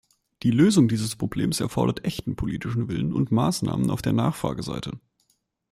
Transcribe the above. Die Lösung dieses Problems erfordert echten politischen Willen und Maßnahmen auf der Nachfrageseite.